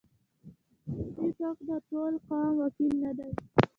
هیڅوک د ټول قوم وکیل نه دی.